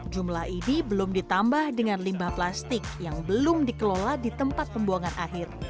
jumlah ini belum ditambah dengan limbah plastik yang belum dikelola di tempat pembuangan akhir